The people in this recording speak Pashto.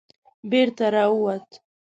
بېرته را ووت.